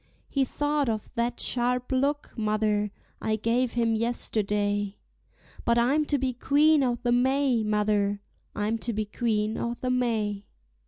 He thought of that sharp look, mother, I gave him yesterday, But I'm to be Queen o' the May, mother, I'm to be Queen o' the May.